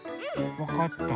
わかった。